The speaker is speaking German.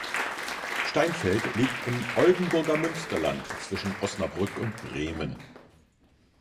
Steinfeld liegt im Oldenburger Münsterland zwischen Osnabrück und Bremen.